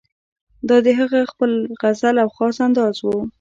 دا د هغه خپله غزل او خاص انداز وو.